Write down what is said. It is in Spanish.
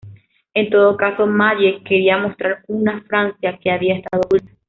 En todo caso, Malle quería mostrar una Francia que había estado oculta.